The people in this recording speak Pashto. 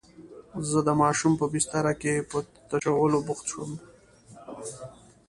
زه د ماشوم په بستره کې په تشولو بوخت شوم.